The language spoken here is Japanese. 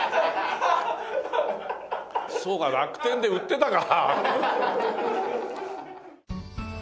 そうか楽天で売ってたか！